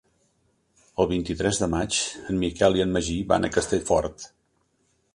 El vint-i-tres de maig en Miquel i en Magí van a Castellfort.